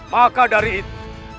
maka dari itu